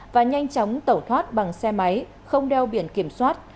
và nhanh chóng tẩu thoát bằng xe máy không đeo biển kiểm soát